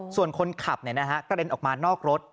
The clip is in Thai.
ส่วนคนขับเนี่ยนะฮะกระเด็นออกมานอกรถ